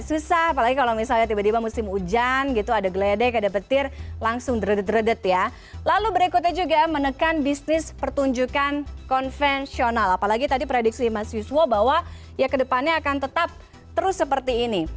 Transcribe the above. susah apalagi kalau misalnya tiba tiba musim hujan gitu ada geledek ada petir langsung deredet deredet ya lalu berikutnya juga menekan bisnis pertunjukan konvensional apalagi tadi prediksi mas yuswo bahwa ya kedepannya akan tetap terus seperti ini